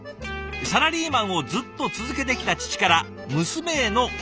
「サラリーマンをずっと続けてきた父から娘への応援弁当です」。